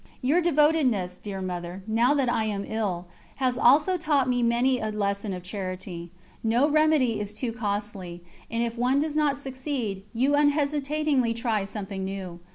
Your devotedness, dear Mother, now that I am ill, has also taught me many a lesson of charity. No remedy is too costly, and if one does not succeed, you unhesitatingly try something new.